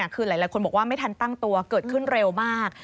คือหลายคนบอกว่าไม่ทันตั้งตัวเกิดขึ้นเร็วมาก